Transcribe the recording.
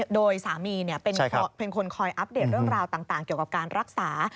โดยสามีเป็นคนคอยอัปเดตเรื่องราวต่างเกี่ยวกับการรักษา